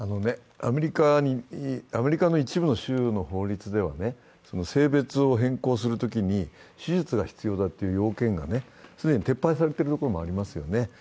アメリカの一部の州の法律では性別を変更するときに手術が必要だという要件が既に撤廃されている部分もありますよね。